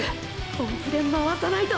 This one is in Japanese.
本気で回さないと。